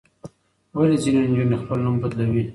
ولې ځینې نجونې خپل نوم بدلوي؟